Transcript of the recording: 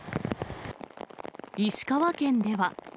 石川県では。